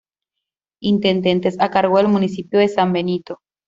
Intendentes a cargo del municipio de San Benito.